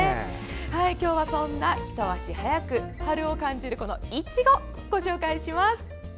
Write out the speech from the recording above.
今日はそんなひと足早く春を感じるいちごをご紹介します。